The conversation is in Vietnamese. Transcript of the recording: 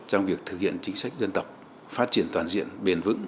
trong việc thực hiện chính sách dân tộc phát triển toàn diện bền vững